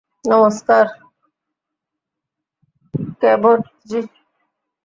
নমস্কার, কেভটজি।